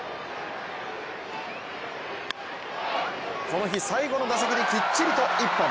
この日最後の打席できっちりと一本。